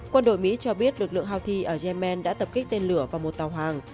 quân đội mỹ cho biết lực lượng houthi ở yemen đã tập kích tên lửa vào một tàu hàng